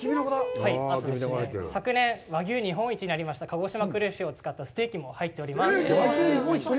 あと、昨年、和牛日本一になりました鹿児島黒牛を使ったステーキも入っています。